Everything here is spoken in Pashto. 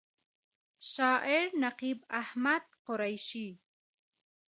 شاعر: نقیب احمد قریشي